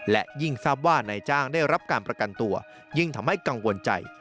และยิ่งทราบว่านายจ้างได้รับการประกันตัวยิ่งทำให้กังวลใจ